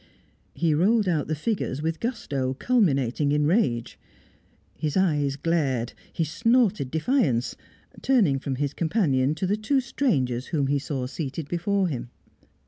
He rolled out the figures with gusto culminating in rage. His eyes glared; he snorted defiance, turning from his companion to the two strangers whom he saw seated before him.